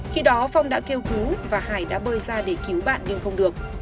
khi đó phong đã kêu cứu và hải đã bơi ra để cứu bạn nhưng không được